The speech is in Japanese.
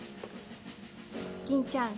吟ちゃん